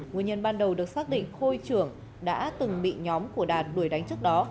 nguyên nhân ban đầu được xác định khôi trưởng đã từng bị nhóm của đạt đuổi đánh trước đó